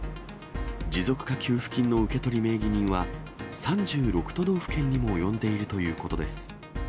持続化給付金の受け取り名義人は、３６都道府県にも及んでいるということです。